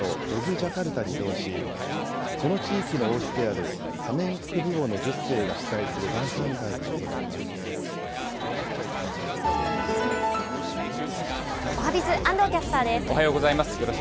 ジャカルタに移動し、この地域の王室であるハメンクブウォノ１０世が主催する晩さん会おはＢｉｚ、安藤キャスターおはようございます。